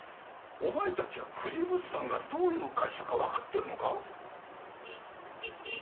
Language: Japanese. お前たちは久慈物産がどういう会社かわかってるのか？